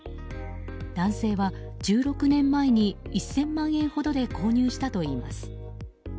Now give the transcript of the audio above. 男性は、１６年前に１０００万円ほどで購入したといいます。